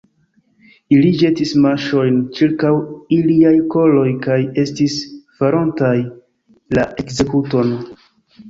Ili ĵetis maŝojn ĉirkaŭ iliaj koloj kaj estis farontaj la ekzekuton.